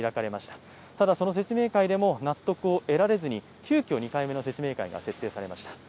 ただ、その説明会でも納得を得られずに、急きょ２回目の説明会が開かれました。